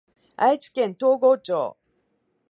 愛知県東郷町